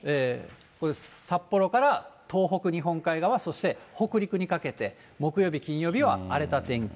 札幌から東北、日本海側、そして北陸にかけて、木曜日、金曜日は荒れた天気。